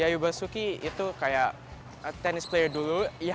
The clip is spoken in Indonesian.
yayu basuki itu kayak tenis play dulu